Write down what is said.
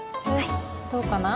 どうかな？